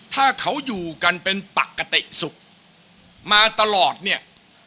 ถ้าเขาอยู่กันเป็นปกติสุขมาตลอดเนี่ย